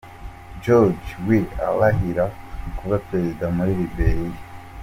George Weah ararahirira kuba prezida muri Liberia.